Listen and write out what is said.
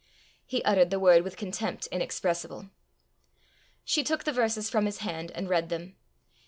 He uttered the word with contempt inexpressible. She took the verses from his hand and read them.